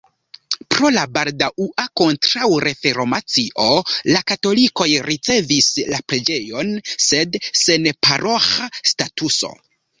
Pro la baldaŭa kontraŭreformacio la katolikoj rericevis la preĝejon, sed sen paroĥa statuso.